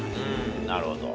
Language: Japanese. なるほど。